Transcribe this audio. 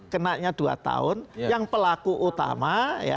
kenanya dua tahun yang pelaku utama